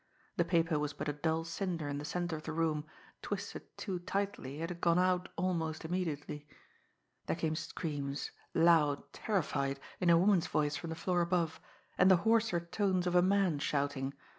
The paper was but a dull cinder in the centre of the room; twisted too tightly, it had gone out almost immediately. There came screams, loud, terrified, in a woman's voice from the floor above and the hoarser tones of a man shouting.